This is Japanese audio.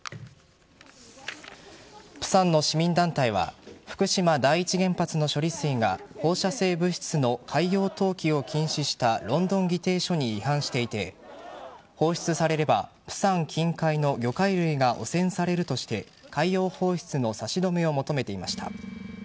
釜山の市民団体は福島第一原発の処理水が放射性物質の海洋投棄を禁止したロンドン議定書に違反していて放出されれば釜山近海の魚介類が汚染されるとして海洋放出の差し止めを求めていました。